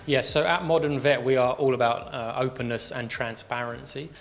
ya jadi di modern vet kita bergantung dengan kebukaan dan transparansi